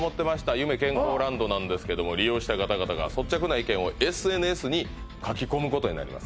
夢健康ランドなんですけども利用した方々が率直な意見をＳＮＳに書き込むことになります